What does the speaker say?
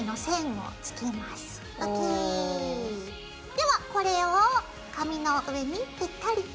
ではこれを紙の上にぴったりと。